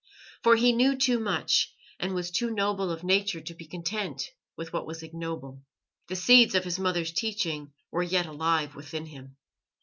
For he knew too much, and was too noble of nature to be content with what was ignoble. The seeds of his mother's teaching were yet alive within him.